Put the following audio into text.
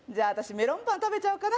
メロンパン食べちゃおうかな